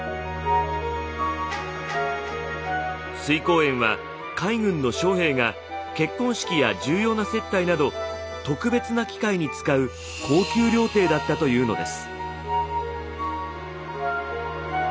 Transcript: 翠光園は海軍の将兵が結婚式や重要な接待など特別な機会に使う高級料亭だったというのです。